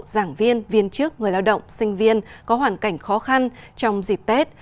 giảng viên viên chức người lao động sinh viên có hoàn cảnh khó khăn trong dịp tết